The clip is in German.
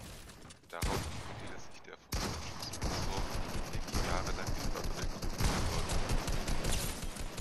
Daraus entwickelte sich der vom deutschen Sponsor Grundig jahrelang geförderte Grundig World Cup.